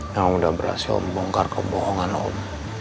nah udah berhasil om bongkar kebohongan om